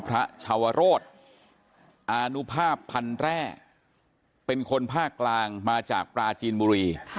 ชาวโรธอานุภาพพันแร่เป็นคนภาคกลางมาจากปลาจีนบุรี